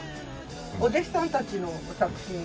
お弟子さんたちの作品。